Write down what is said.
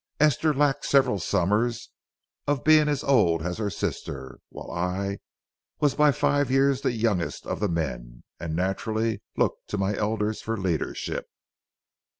Esther lacked several summers of being as old as her sister, while I was by five years the youngest of the men, and naturally looked to my elders for leadership.